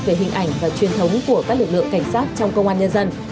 về hình ảnh và truyền thống của các lực lượng cảnh sát trong công an nhân dân